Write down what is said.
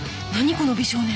この美少年。